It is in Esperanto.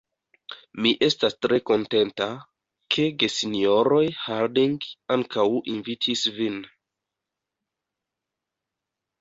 Mi estas tre kontenta, ke gesinjoroj Harding ankaŭ invitis vin.